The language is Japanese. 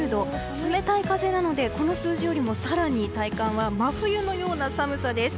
冷たい風なので、この数字よりも更に体感は真冬のような寒さです。